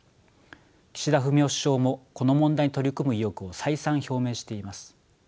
岸田文雄首相もこの問題に取り組む意欲を再三表明しています。